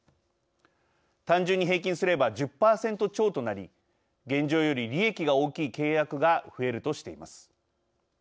単純に平均すれば１０％超となり現状より利益が大きい契約が増えるとしています。